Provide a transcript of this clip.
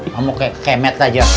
kamu kayak kemet aja